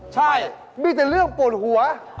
ใช่มีแต่เรื่องปวดหัว